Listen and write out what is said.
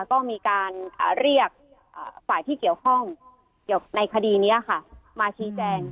ก็มีการเรียกฝ่ายที่เกี่ยวข้องเกี่ยวกับในคดีนี้ค่ะมาชี้แจง